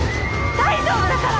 大丈夫だから。